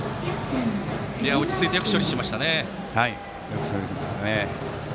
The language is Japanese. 落ち着いてよく処理しましたね。